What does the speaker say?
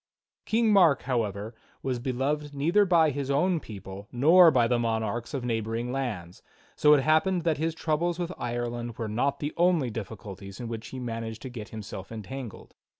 King Mark, however, was beloved neither by his own people nor by the monarchs of neighboring lands, so it happened that his troubles with Ireland were not the only difficulties in which he managed to get himself entangled.